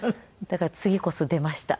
だから次こそ出ました。